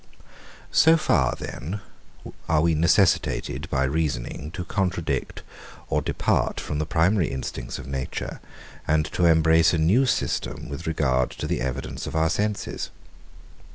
119. So far, then, are we necessitated by reasoning to contradict or depart from the primary instincts of nature, and to embrace a new system with regard to the evidence of our senses.